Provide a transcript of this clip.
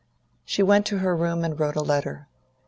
She went to her room and wrote a letter.